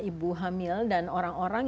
ibu hamil dan orang orang